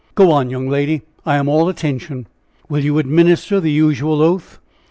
"Go on, young lady; I am all attention." "Will you administer the usual oath?"